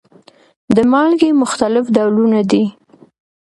د مالګې مختلف ډولونه دي.